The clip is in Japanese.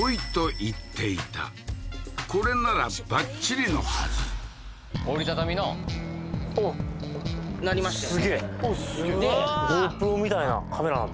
これならバッチリのはず折りたたみななりましたよね